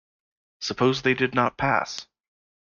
Suppose they did not pass!